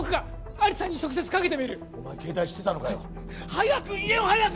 アリさんに直接かけてみるお前携帯知ってたのかよ早く言えよ早く！